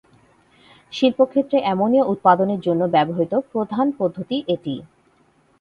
শিল্পক্ষেত্রে ammonia উৎপাদনের জন্য ব্যবহৃত প্রধান পদ্ধতি এটি।